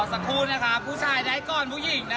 ก่อสักครู่ไม่ครับผู้ชายได้กลอนผู้หญิงนะคะ